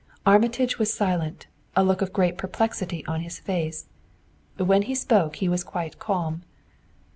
Armitage was silent, a look of great perplexity on his face. When he spoke he was quite calm.